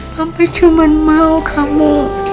sampai cuman mau kamu